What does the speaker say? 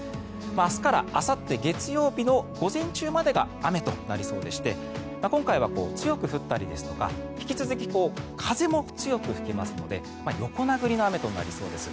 明日からあさって、月曜日の午前中までが雨となりそうでして今回は強く降ったりですとか引き続き風も強く吹きますので横殴りの雨となりそうです。